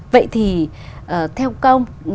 vậy thì theo ông công